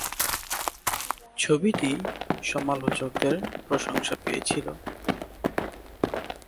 ছবিটি সমালোচকদের প্রশংসা পেয়েছিল।